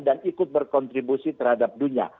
dan ikut berkontribusi terhadap dunia